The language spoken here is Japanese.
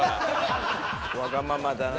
わがままだな。